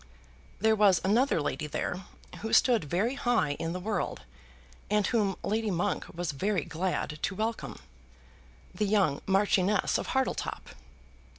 There was another lady there, who stood very high in the world, and whom Lady Monk was very glad to welcome the young Marchioness of Hartletop.